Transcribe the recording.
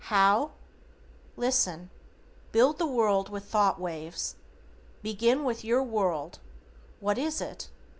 How? Listen. Build the World with Thought Waves. Begin with your WORLD, what is it?